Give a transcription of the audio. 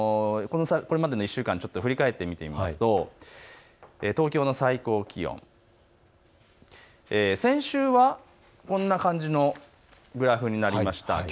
これまでの１週間、振り返って見てみますと東京の最高気温、先週はこんな感じのグラフになりました。